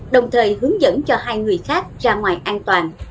đồng thời hướng dẫn cho hai người khác ra ngoài an toàn